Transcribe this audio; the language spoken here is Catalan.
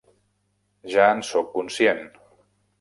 Ja en sóc conscient.